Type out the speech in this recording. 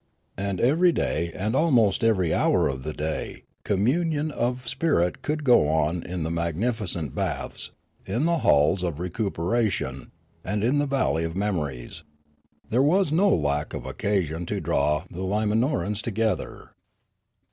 And every day and Hermitry 37 almost every hour of the day communion of spirit could go on in the magnificent baths, in the halls of recupera tion, and in the valley of memories. There was no lack of occasion to draw the Limanorans together.